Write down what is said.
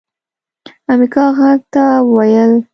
امريکا غږ ته وويل